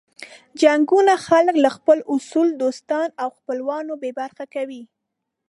جنګونه خلک له خپلو اصلو دوستانو او خپلوانو بې برخې کوي.